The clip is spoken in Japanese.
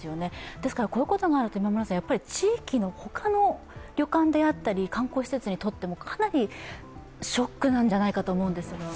ですから、こういうことがあると、地域の他の旅館であったり観光施設にとっても、かなりショックなんじゃないかと思うんです。